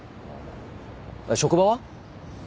職場は？